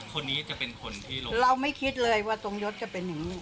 คนนี้จะเป็นคนที่ลงเราไม่คิดเลยว่าตรงยศจะเป็นอย่างนี้